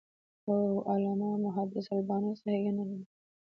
او علامه محدِّث الباني صحيح ګڼلی دی .